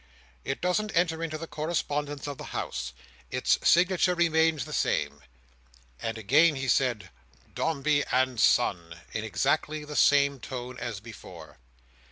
It doesn't enter into the correspondence of the House. Its signature remains the same." And again he said "Dombey and Son," in exactly the same tone as before.